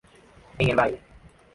En el baile.